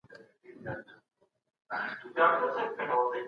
د اسلامي نهضت پيروان ولې له روزنې پاتې سول؟